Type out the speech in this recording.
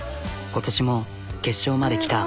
今年も決勝まで来た。